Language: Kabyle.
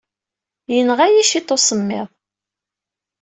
Yenɣa-iyi cwiṭ usemmiḍ.